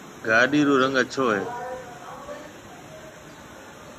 گاڏِي رو رنگ اڇو ھيََََ